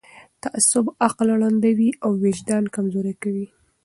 تعصب عقل ړندوي او وجدان کمزوری کوي